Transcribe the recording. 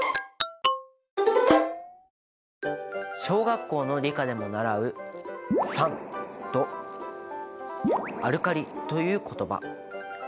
小学校の理科でも習う「酸」と「アルカリ」という言葉。